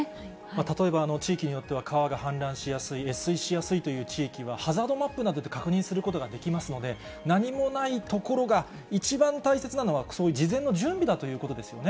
例えば、地域によっては川が氾濫しやすい、越水しやすいという地域はハザードマップなどで確認することができますので、何もない所が、一番大切なのは、そういう事前の準備だということですよね。